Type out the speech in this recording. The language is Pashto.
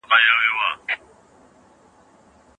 موږ کولی شو له هر ډول تیاره حالت څخه په رڼا کې راووځو.